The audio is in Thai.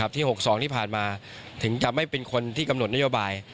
ที่๖๒ที่ผ่านมาถึงจะไม่เป็นคนที่กำหนดนโยบาย